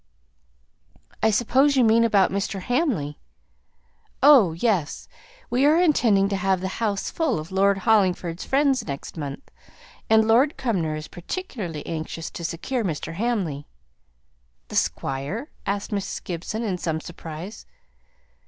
"I suppose you mean about Mr. Hamley?" "Oh, yes! we are intending to have the house full of Lord Hollingford's friends next month, and Lord Cumnor is particularly anxious to secure Mr. Hamley." "The Squire?" asked Mrs. Gibson in some surprise.